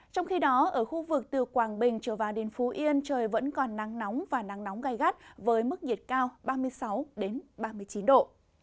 trong khi đó ở khu vực từ quảng bình trở vào đến phú yên trời vẫn còn nắng nóng và nắng nóng gai gắt với mức nhiệt cao ba mươi sáu ba mươi chín độ